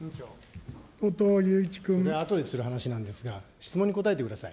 それは後でする話なんですが、質問に答えてください。